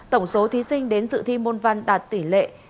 tổng số thí sinh đến dự thi môn văn đạt tỷ lệ chín mươi chín sáu mươi